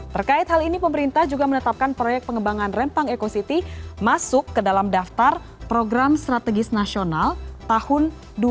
terkait hal ini pemerintah juga menetapkan proyek pengembangan rempang eco city masuk ke dalam daftar program strategis nasional tahun dua ribu dua puluh